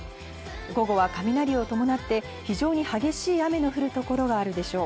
午後は雷を伴って非常に激しい雨の降る所があるでしょう。